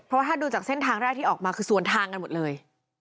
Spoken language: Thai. เพราะว่าถ้าดูจากเส้นทางแรกที่ออกมาคือสวนทางกันหมดเลย